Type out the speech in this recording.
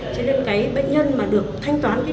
cho những bệnh nhân mà nằm tại đây thì là không thanh toán được